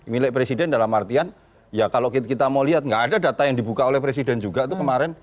milik presiden dalam artian ya kalau kita mau lihat nggak ada data yang dibuka oleh presiden juga itu kemarin